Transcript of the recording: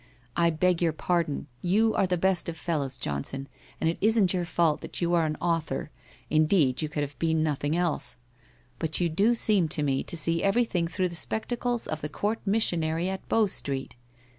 I beg your pardon. You are the best of fellows, Johnson, and it isn't your fault that you are an author — indeed you could have been noth ing else. But you do seem to me to see everything through the spectacles of the court missionary at Bow Street.